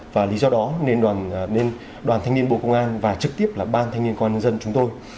và lý do đó nên đoàn thanh niên bộ công an và trực tiếp là ban thanh niên công an nhân dân chúng tôi